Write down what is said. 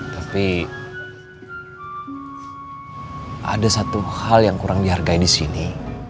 tapi ada satu hal yang kurang dihargai disini